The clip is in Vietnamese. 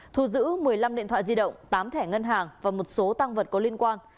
thu giữ một mươi năm điện thoại di động tám thẻ ngân hàng và một số tăng vật có liên quan